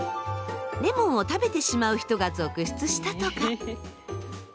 レモンを食べてしまう人が続出したとか。